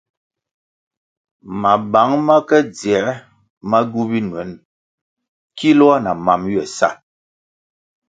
Mabang ma ke dzier ma gywu binuen kiloah na mam ywe sa.